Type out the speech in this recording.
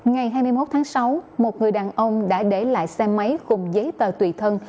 ngày hai mươi một tháng sáu một người đàn ông đã để lại xe máy cùng giấy tờ tùy thân